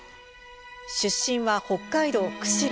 出身は北海道釧路。